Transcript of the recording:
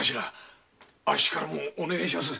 あっしからもお願いします。